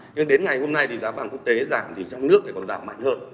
nhưng đến ngày hôm nay thì giá vàng quốc tế giảm thì trong nước lại còn giảm mạnh hơn